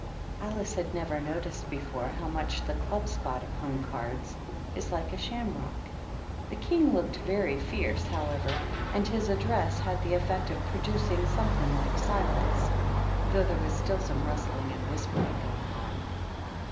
Alice had never noticed before how much the club spot upon cards is like a shamrock. The King looked very fierce, however, and his address had the effect of producing something like silence, though there was still some rustling and whisper ing going on.